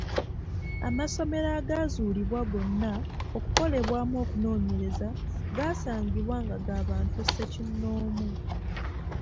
Amasomero agaazuulibwa gonna okukolebwamu okunoonyereza gaasangibwa nga ga bantu ssekinnoomu.